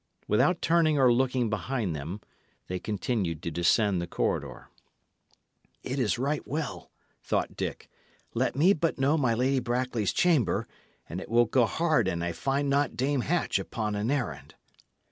Without turning or looking behind them, they continued to descend the corridor. "It is right well," thought Dick. "Let me but know my Lady Brackley's chamber, and it will go hard an I find not Dame Hatch upon an errand."